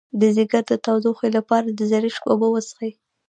د ځیګر د تودوخې لپاره د زرشک اوبه وڅښئ